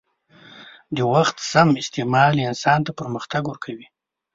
د وخت سم استعمال انسان ته پرمختګ ورکوي.